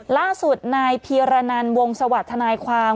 ล่าสุดนายพีรนันวงสวัสดิ์ทนายความ